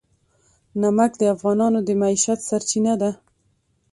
نمک د افغانانو د معیشت سرچینه ده.